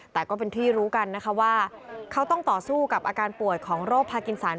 แต่ก็เป็นที่รู้กันนะคะว่าเขาต้องต่อสู้กับอาการป่วยของโรคพากินสัน